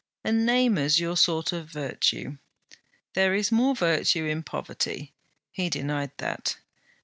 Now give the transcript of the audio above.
And name us your sort of virtue. There is more virtue in poverty, He denied that.